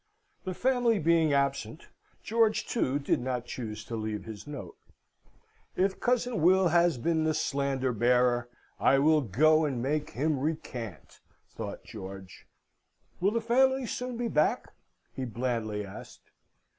The family being absent, George, too, did not choose to leave his note. "If cousin Will has been the slander bearer, I will go and make him recant," thought George. "Will the family soon be back?" he blandly asked.